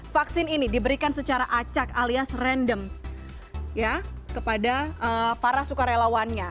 vaksin ini diberikan secara acak alias random kepada para sukarelawannya